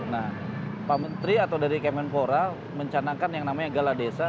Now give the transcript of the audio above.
nah pak menteri atau dari kemenpora mencanangkan yang namanya gala desa